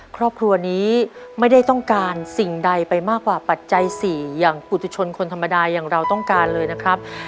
ครอบครัวนี้ไม่ได้ต้องการสิ่งใดไปมากกว่าปัจจัย๔อย่างปุตุชนคนธรรมดาอย่างเราต้องการเลยนะครับ